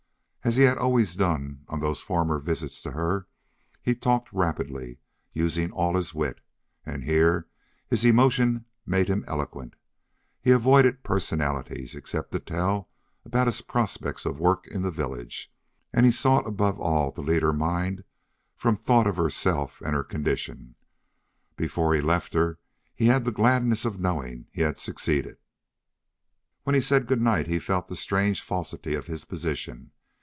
As he had always done on those former visits to her, he talked rapidly, using all his wit, and here his emotion made him eloquent; he avoided personalities, except to tell about his prospects of work in the village, and he sought above all to lead her mind from thought of herself and her condition. Before he left her he had the gladness of knowing he had succeeded. When he said good night he felt the strange falsity of his position.